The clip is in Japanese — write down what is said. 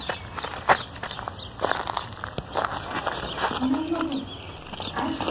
花妻君。